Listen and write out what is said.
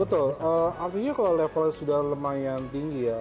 betul artinya kalau levelnya sudah lumayan tinggi ya